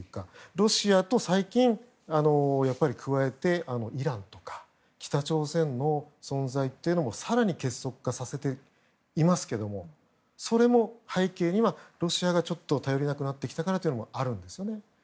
ロシアと最近、加えてイランとか北朝鮮の存在も更に結束化させていますけれどもそれも背景にはロシアが頼りなくなってきたからというのもあるんですよね。